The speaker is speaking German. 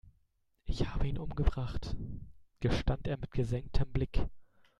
"Ich habe ihn umgebracht", gestand er mit gesenktem Blick.